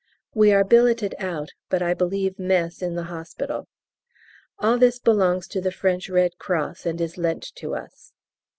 We are billeted out, but I believe mess in the hospital. All this belongs to the French Red Cross, and is lent to us.